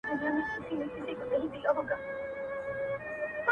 دفلسـفې اســـــتاد يــې وټـــــــاكـــلـــــم~